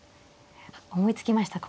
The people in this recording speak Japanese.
思いつきました。